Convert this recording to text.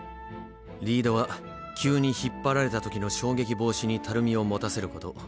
リードは急に引っ張られた時の衝撃防止にたるみを持たせること。